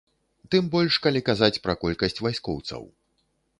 Тым больш, калі казаць пра колькасць вайскоўцаў.